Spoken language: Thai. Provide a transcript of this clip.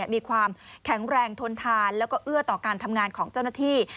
มีความแข็งแรงทนทานแล้วก็เอื้อต่อการทำงานของเจ้าหน้าที่